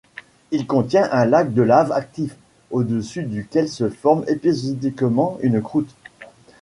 Il contient un lac de lave actif, au-dessus duquel se forme épisodiquement une croûte.